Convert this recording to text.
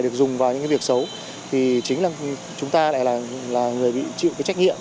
được dùng vào những cái việc xấu thì chính là chúng ta lại là người bị chịu cái trách nhiệm